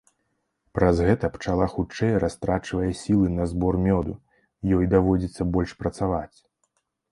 Праз гэта пчала хутчэй растрачвае сілы на збор мёду, ёй даводзіцца больш працаваць.